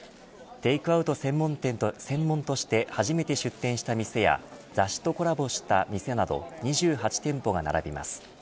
テイクアウト専門として初めて出店した店や雑誌とコラボした店など２８店舗が並びます。